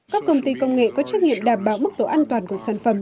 các công ty công nghệ có trách nhiệm đảm bảo mức độ an toàn của sản phẩm